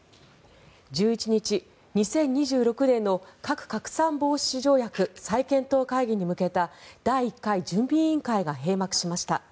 １１日、２０２６年の核拡散防止条約再検討会議に向けた第１回準備委員会が閉幕しました。